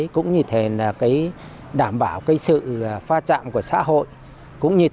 cũng như đảm bảo sự pha trạm của xã hội cũng như tai tên nạn chúng tôi thấy chúng tôi rất an tâm và giảm được rất nhiều